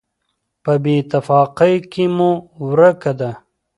په بېاتفاقۍ کې مو ورکه ده.